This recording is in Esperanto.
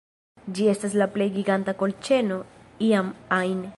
Ĝi estas la plej giganta kolĉeno iam ajn